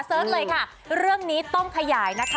เสิร์ชเลยค่ะเรื่องนี้ต้องขยายนะคะ